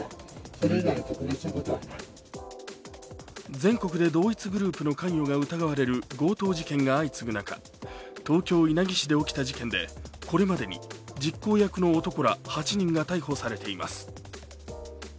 全国で同一グループの関与が疑われる強盗事件が相次ぐ中、東京・稲城市で起きた事件でこれまでに実行役の男ら８人が逮捕されています。